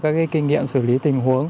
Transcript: các kinh nghiệm xử lý tình huống